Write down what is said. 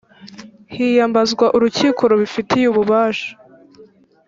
hiyambazwa urukiko rubifitiye ububasha